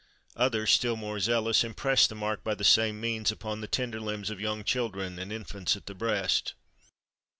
Others, still more zealous, impressed the mark by the same means upon the tender limbs of young children and infants at the breast.